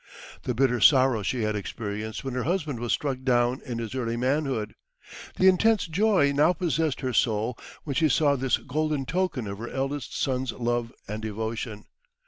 The bitter sorrow she had experienced when her husband was struck down in his early manhood; the intense joy now possessed her soul when she saw this golden token of her eldest son's love and devotion.